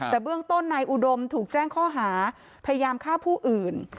แต่เบื้องต้นนายอุดมถูกแจ้งข้อหาพยายามฆ่าผู้อื่น